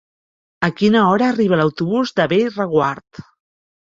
A quina hora arriba l'autobús de Bellreguard?